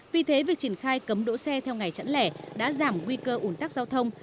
vì thế việc triển khai cấm đỗ xe theo ngày chẵn lẻ đã giảm nguy cơ ủn tắc giao thông